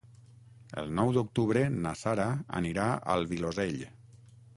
El nou d'octubre na Sara anirà al Vilosell.